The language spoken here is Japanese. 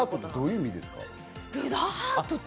どういう意味ですか？